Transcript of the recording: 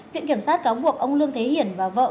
viện kiểm sát cáo buộc ông lương thế hiển và vợ